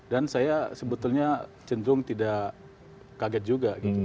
dan saya sebetulnya cenderung tidak kaget juga